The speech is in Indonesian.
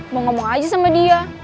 mau ngomong aja sama dia